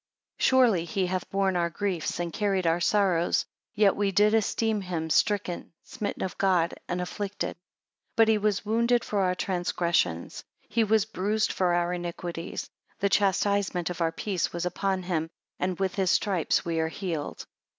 6 Surely he hath borne our griefs, and carried our sorrows yet we did esteem him stricken, smitten of God, and afflicted. 7 But he was wounded for our transgressions; he was bruised for our iniquities; the chastisement of our peace was upon him; and with his stripes we are healed.